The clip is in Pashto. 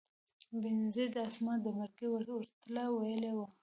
بېنظیرې د اسامه د مرکې ورته ویلي و.